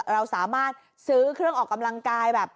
เราสามารถซื้อเครื่องออกกำลังกายแบบ